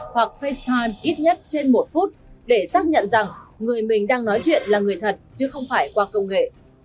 hoặc facebookan ít nhất trên một phút để xác nhận rằng người mình đang nói chuyện là người thật chứ không phải qua công nghệ